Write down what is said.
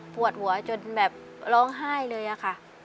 ปวดหัวจนแบบร้องไห้เลยอะค่ะ